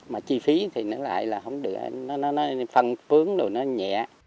mà chi phí thì nó lại không được nó phân phướng nó nhẹ